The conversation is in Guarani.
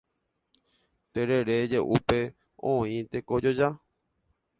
Terere je'úpe oĩ tekojoja.